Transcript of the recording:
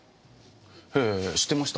へぇ知ってました？